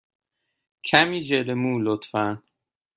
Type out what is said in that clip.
کمی ژل مو، لطفا.